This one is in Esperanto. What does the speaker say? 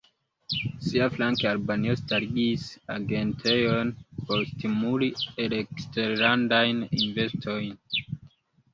Siaflanke, Albanio starigis agentejon por stimuli eleksterlandajn investojn.